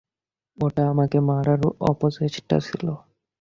ওটা আমাকে মারার অপচেষ্টা ছিল।